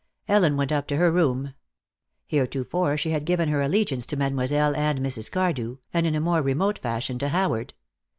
Ellen went up to her room. Heretofore she had given her allegiance to Mademoiselle and Mrs. Cardew, and in a more remote fashion, to Howard.